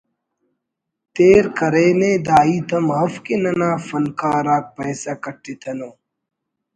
تیر کرینے دا ہیت ہم اف کہ ننا فنکار آک پیسہ کٹتنو